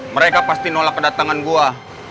mereka pasti nolak kedatangan gue